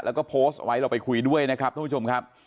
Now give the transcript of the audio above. แล้วก็โพสต์ไว้เราไปคุยด้วยนะครับท่านผู้ชมครับ